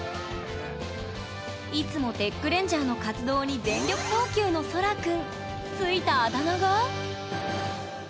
いつもテックレンジャーの活動に全力投球のそら君。